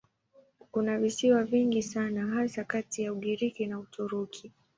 Kuna visiwa vingi sana hasa kati ya Ugiriki na Uturuki.